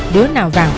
đứa nào vào